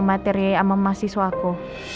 soal materi sama mahasiswaku